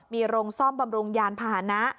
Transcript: มีโรงซ่อมบำรุงยานพาหนะ